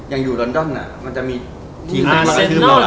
อย่างอยู่ลอนดอนอะมันจะมีทีมมากขึ้นแล้วล่ะ